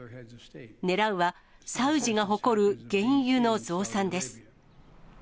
ねらうは、サウジが誇る原油の増産です。